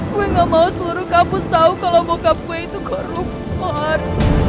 gue gak mau seluruh kampus tau kalo bokap gue itu korupor